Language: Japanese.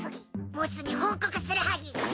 ボスに報告するはぎ。